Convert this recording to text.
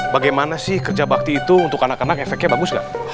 bagaimana sih kerja bakti itu untuk anak anak efeknya bagus gak